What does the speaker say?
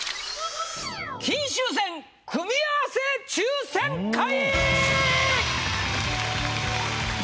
金秋戦組み合わせ抽選会！